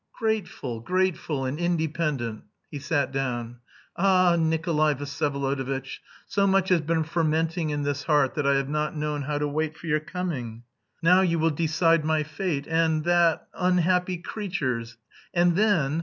"Gra a teful, grateful, and independent." He sat down. "Ah, Nikolay Vsyevolodovitch, so much has been fermenting in this heart that I have not known how to wait for your coming. Now you will decide my fate, and... that unhappy creature's, and then...